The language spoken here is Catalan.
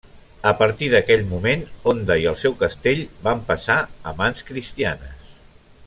A partir d'aquell moment Onda i el seu castell van passar a mans cristianes.